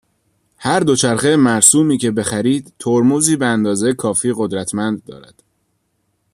هر دوچرخه مرسومی که بخرید، ترمزی به اندازه کافی قدرتمند دارد.